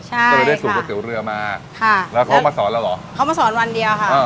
ใช่ก็เลยได้สูตรก๋วยเตี๋ยวเรือมาค่ะแล้วเขามาสอนเราเหรอเขามาสอนวันเดียวค่ะเออ